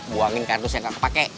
buangin kartus yang gak kepake